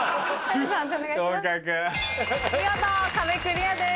見事壁クリアです。